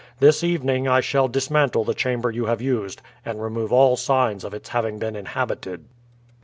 This evening I shall dismantle the chamber you have used and remove all signs of its having been inhabited."